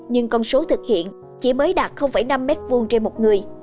nhưng con số thực hiện chỉ mới đạt năm m hai trên một người